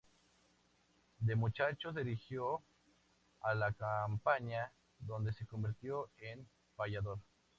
De muchacho se dirigió a la campaña, donde se convirtió en payador.